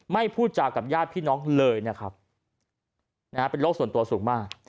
พูดจากับญาติพี่น้องเลยนะครับเป็นโรคส่วนตัวสูงมาก